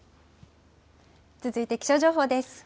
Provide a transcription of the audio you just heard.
続いて気象情報です。